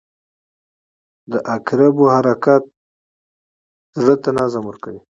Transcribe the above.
• د عقربو حرکت زړه ته نظم ورکوي.